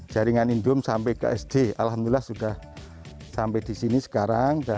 jaringan indum sampai ke sd alhamdulillah sudah sampai di sini sekarang